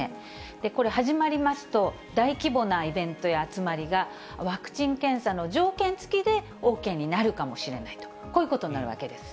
これ、始まりますと、大規模なイベントや集まりが、ワクチン検査の条件付きでＯＫになるかもしれないと、こういうことになるわけです。